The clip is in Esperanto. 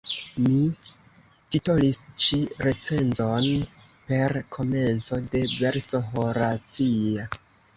Mi titolis ĉi recenzon per komenco de verso horacia.